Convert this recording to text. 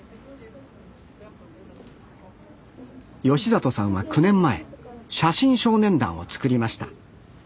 里さんは９年前写真少年団を作りました。